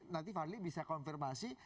nanti fadli bisa konfirmasi